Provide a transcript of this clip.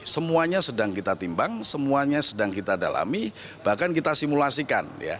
semuanya sedang kita timbang semuanya sedang kita dalami bahkan kita simulasikan